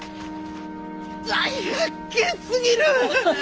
大発見すぎる！